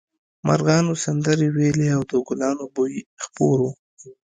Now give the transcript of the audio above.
مرغانو سندرې ویلې او د ګلانو بوی خپور و